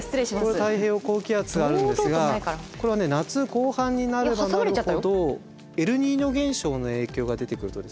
この太平洋高気圧があるんですがこれはね夏後半になればなるほどエルニーニョ現象の影響が出てくるとですね